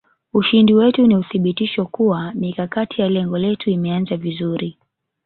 Ushindi wetu ni uthibitisho kuwa mikakati ya lengo letu imeanza vizuri